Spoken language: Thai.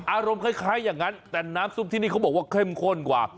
อารมณ์คล้ายอย่างนั้นแต่น้ำซุปที่นี่เขาบอกว่าเข้มข้นกว่า